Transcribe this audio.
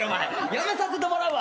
やめさせてもらうわ。